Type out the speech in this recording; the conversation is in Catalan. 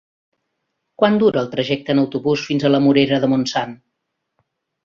Quant dura el trajecte en autobús fins a la Morera de Montsant?